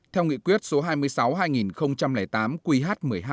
theo nghị quyết số hai mươi sáu hai nghìn tám qh một mươi hai